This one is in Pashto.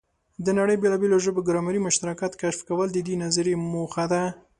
د نړۍ بېلابېلو ژبو ګرامري مشترکات کشف کول د دې نظریې موخه ده.